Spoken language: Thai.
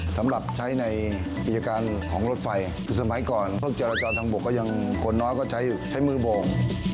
สำหรับใช้ในกิจการของรถไฟสมัยก่อนพวกจรจรทางบกก็ยังคนน้อยก็ใช้มือโบ่ง